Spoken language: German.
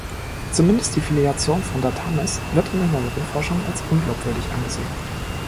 Zumindest die Filiation von Datames wird in der neueren Forschung als unglaubwürdig angesehen.